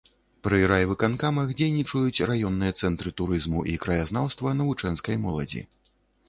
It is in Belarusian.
Пры райвыканкамах дзейнічаюць раённыя цэнтры турызму і краязнаўства навучэнскай моладзі.